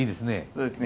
そうですね